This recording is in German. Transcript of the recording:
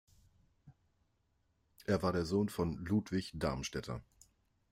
Er war der Sohn von Ludwig Darmstaedter.